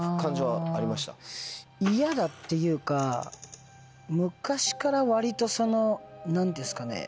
嫌だっていうか昔から割とその何ていうんですかね。